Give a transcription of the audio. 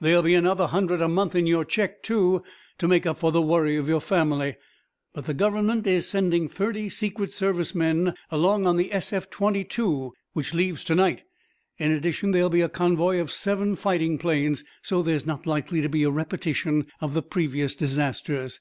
There'll be another hundred a month in your check, too, to make up for the worry of your family. But the government is sending thirty Secret Service men along on the SF 22, which leaves to night. In addition, there will be a convoy of seven fighting planes, so there is not likely to be a repetition of the previous disasters."